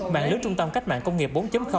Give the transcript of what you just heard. bạn lưu trung tâm cách mạng công nghiệp bốn